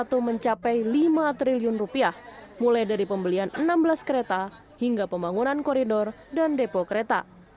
satu mencapai lima triliun rupiah mulai dari pembelian enam belas kereta hingga pembangunan koridor dan depo kereta